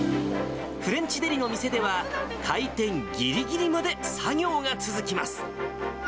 フレンチデリの店では、開店ぎりぎりまで作業が続きます。